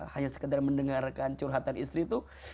hanya sekedar mendengarkan curhatan istri itu